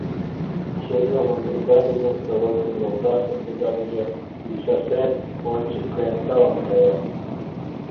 Черновын бригадыж ден Сорокин йолташын бригадыже, ӱчашен, ончыко эн талын каят.